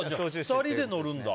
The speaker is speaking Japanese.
２人で乗るんだ。